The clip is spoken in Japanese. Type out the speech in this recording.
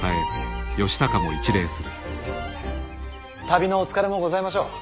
旅のお疲れもございましょう。